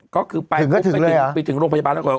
ก็คือไปทิ้งโรงพยาบาลแล้วก็ถึงก็ถึงเลยหรอ